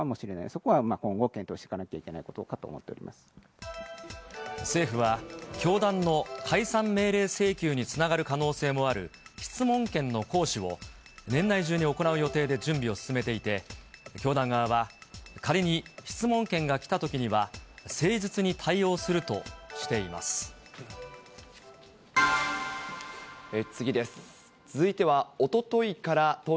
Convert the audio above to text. そこは今後、検討していかないと政府は、教団の解散命令請求につながる可能性もある質問権の行使を、年内中に行う予定で準備を進めていて、教団側は、仮に質問権が来たときには、誠実に対応するとしています。